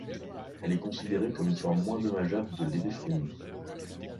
Elle est considérée comme une forme moins dommageable de l'hébéphrénie.